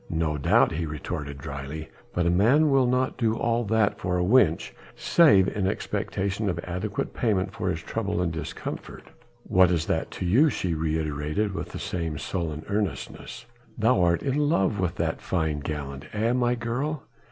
"No doubt," he retorted dryly, "but a man will not do all that for a wench, save in expectation of adequate payment for his trouble and discomfort." "What is that to you?" she reiterated, with the same sullen earnestness. "Thou art in love with that fine gallant, eh, my girl?"